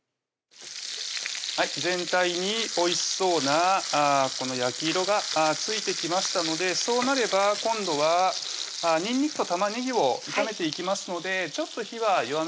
全体においしそうな焼き色がついてきましたのでそうなれば今度はにんにくと玉ねぎを炒めていきますのでちょっと火は弱めてください